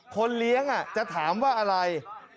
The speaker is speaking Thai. คนเลี้ยงจะถามว่าอะไร